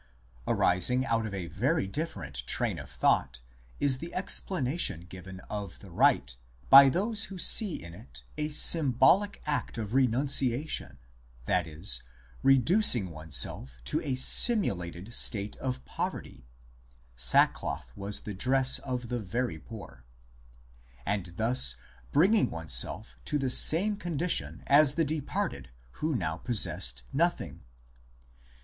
Arising out of a very different train of thought is the explanation given of the rite by those who see in it a sym bolic act of renunciation, i.e. reducing oneself to a simulated state of poverty (sackcloth was the dress of the very poor), and thus bringing oneself to the same condition as the i Hastings, op. cit., iv. 439 6. 154 IMMORTALITY AND THE UNSEEN WORLD departed who now possessed nothing.